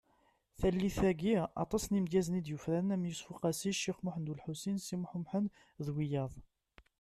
Tallit-agi, aṭas n yimedyazen i d-yufraren am Yusef Uqasi , Cix Muhend Ulḥusin Si Muḥend Umḥend d wiyaḍ .